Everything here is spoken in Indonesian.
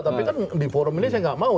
tapi kan di forum ini saya nggak mau